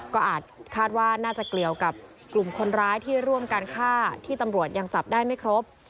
ก็อาจคาดว่าน่าจะเกี่ยวกับกลุ่มคนร้ายที่ร่วมการฆ่าที่ตำรวจยังจับได้ไม่ครบ